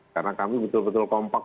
karena kami betul betul kompak